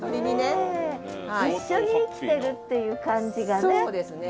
一緒に生きてるっていう感じがね。